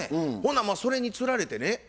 ほなそれにつられてね